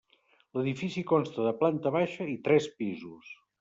L'edifici consta de planta baixa i tres pisos.